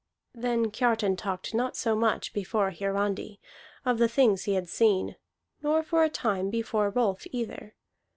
Then Kiartan talked not so much before Hiarandi of the things he had seen, nor for a time before Rolf either.